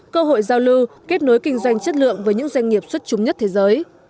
cơ hội giao lưu kết nối kinh doanh chất lượng với những doanh nghiệp xuất trúng nhất thế giới